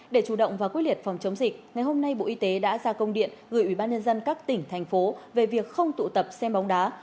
để chủ động và quyết liệt phòng chống dịch ngày hôm nay bộ y tế đã ra công điện gửi ubnd các tỉnh thành phố về việc không tụ tập xem bóng đá